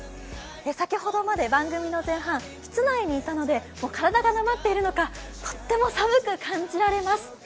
先ほどまで番組の前半、室内にいたので、体がなまっているのかとっても寒く感じられます。